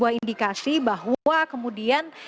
dua indikasi bahwa kemudian